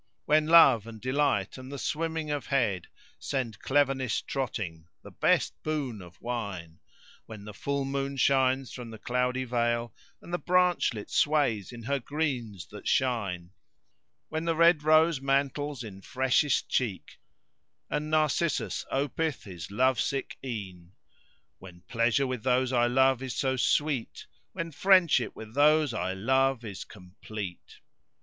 When love and delight and the swimming of head * Send cleverness trotting, the best boon of wine. When the full moon shines from the cloudy veil, * And the branchlet sways in her greens that shine: When the red rose mantles in freshest cheek, * And Narcissus[FN#588] opeth his love sick eyne: When pleasure with those I love is so sweet, * When friendship with those I love is complete!"